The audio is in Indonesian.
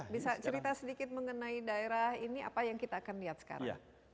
bisa cerita sedikit mengenai daerah ini apa yang kita akan lihat sekarang